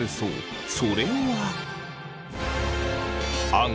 それは。